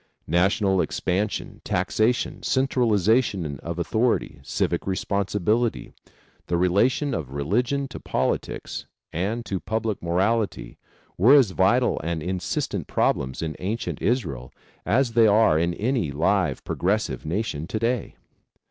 National expansion, taxation, centralization of authority, civic responsibility, the relation of religion to politics and to public morality were as vital and insistent problems in ancient Israel as they are in any live, progressive nation to day.